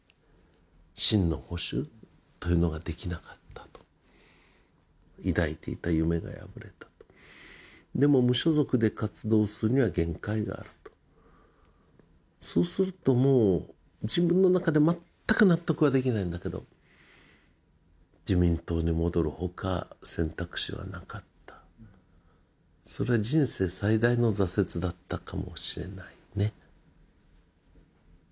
真の保守というのができなかったと抱いていた夢が破れたとでも無所属で活動するには限界があるとそうするともう自分の中で全く納得はできないんだけど自民党に戻るほか選択肢はなかったそれは人生最大の挫折だったかもしれないね